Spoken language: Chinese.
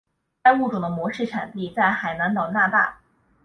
该物种的模式产地在海南岛那大。